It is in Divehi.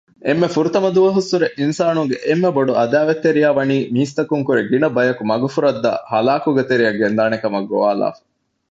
އެންމެ ފުރަތަމަ ދުވަހުއްސުރެ އިންސާނުންގެ އެންމެބޮޑު ޢަދާވާތްތެރިޔާވަނީ މީސްތަކުންކުރެ ގިނަބަޔަކު މަގުފުރައްދައި ހަލާކުގެތެރެއަށް ގެންދާނެކަމަށް ގޮވާލައިފަ